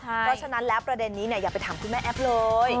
เพราะฉะนั้นแล้วประเด็นนี้อย่าไปถามคุณแม่แอ๊บเลย